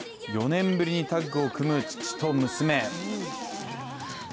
４年ぶりにタッグを組む父と娘。